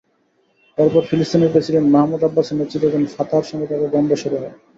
এরপর ফিলিস্তিনের president Mahmoud আব্বাসের নেতৃত্বাধীন ফাতাহর সঙ্গে তাদের দ্বন্দ্ব শুরু হয়।